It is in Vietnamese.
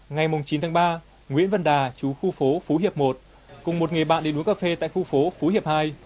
ngày chín tháng ba nguyễn văn đà chú khu phố phú hiệp một cùng một người bạn đi uống cà phê tại khu phố phú hiệp hai